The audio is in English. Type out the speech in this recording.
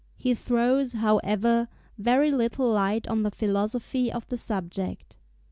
He throws, however, very little light on the philosophy of the subject.